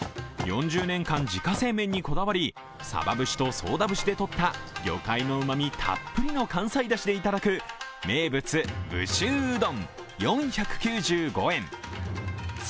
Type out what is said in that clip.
４０年間、自家製麺にこだわり、さば節と宗田節でとった魚介のうまみたっぷりの関西だしでいただく名物・武州うどん４９５円。